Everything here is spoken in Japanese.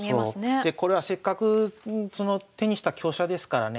でこれはせっかく手にした香車ですからね。